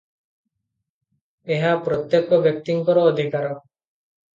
ଏହା ପ୍ରତ୍ୟେକ ବ୍ୟକ୍ତିଙ୍କର ଅଧିକାର ।